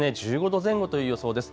１５度前後という予想です。